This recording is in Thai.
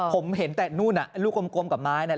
ผมเห็นแต่นู่นลูกกลมกับไม้